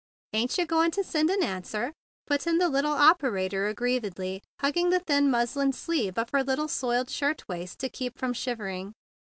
"Ain't yah going to send an answer?" put in the little operator aggrievedly, hugging the thin muslin sleeves of her little soiled shirt waist to keep from shivering.